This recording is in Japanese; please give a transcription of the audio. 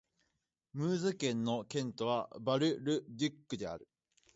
ムーズ県の県都はバル＝ル＝デュックである